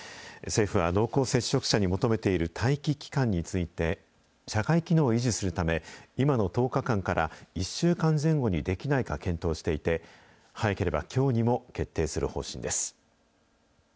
政府は濃厚接触者に求めている待機期間について、社会機能を維持するため、今の１０日間から、１週間前後にできないか検討していて、早ければきょうにも決定する方針です。